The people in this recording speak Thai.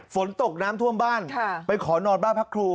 ฝนตกน้ำท่วมบ้านไปขอนอนบ้านพักครู